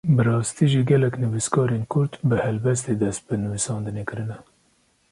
Bi rastî jî gelek nivîskarên Kurd bi helbestê dest bi nivîsandinê kirine.